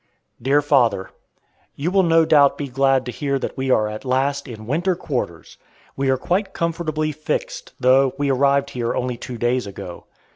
DEAR FATHER, You will no doubt be glad to hear that we are at last in winter quarters! We are quite comfortably fixed, though we arrived here only two days ago.